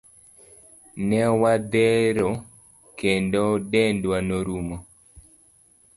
Ne wadhero kendo dendwa norumo.